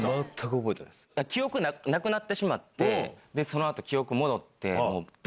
記憶なくなってしまってその後記憶戻って。